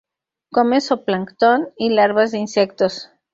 Come zooplancton y larvas de insectos.